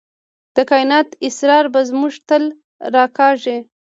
د کائنات اسرار به موږ تل راکاږي.